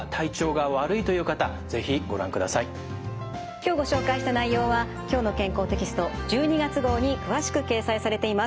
今日ご紹介した内容は「きょうの健康」テキスト１２月号に詳しく掲載されています。